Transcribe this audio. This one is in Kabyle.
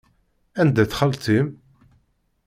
Anda-tt xalti-m?